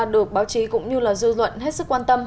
được báo chí cũng như dư luận hết sức quan tâm